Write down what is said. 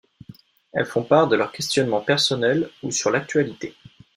Elles font part de leur questionnements personnels ou sur l'actualité.